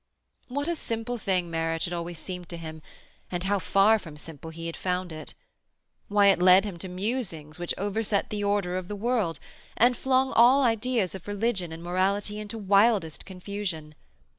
What a simple thing marriage had always seemed to him, and how far from simple he had found it! Why, it led him to musings which overset the order of the world, and flung all ideas of religion and morality into wildest confusion.